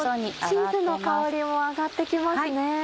チーズも香りも上がって来ますね。